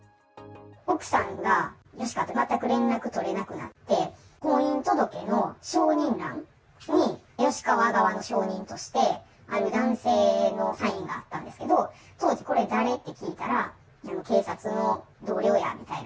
奥さんが吉川と全く連絡取れなくなって、婚姻届の承認欄に、吉川側の承認として男性のサインがあったんですけれども、当時、これ誰？って聞いたら、警察の同僚やみたいな。